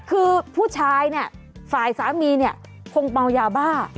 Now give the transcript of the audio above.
คือผู้ชายฝ่ายสามีคงเบายาวบ้า